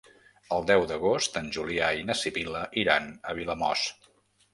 El deu d'agost en Julià i na Sibil·la iran a Vilamòs.